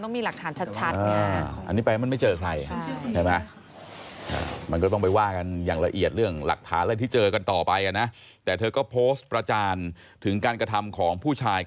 มันต้องมีหลักฐานชัด